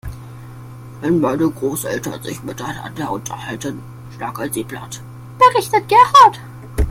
Wenn meine Großeltern sich miteinander unterhalten, schnacken sie platt, berichtet Gerhard.